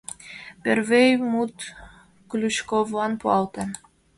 Пӧрвӧй мут Ключковлан пуалте.